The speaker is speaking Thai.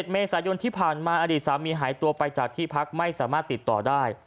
เมษายนที่ผ่านมาอดีตสามีหายตัวไปจากที่พักไม่สามารถติดต่อได้